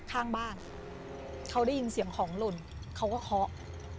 ข้างบ้านเขาได้ยินเสียงของหล่นเขาก็เคาะ